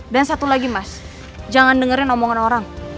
satu lagi mas jangan dengerin omongan orang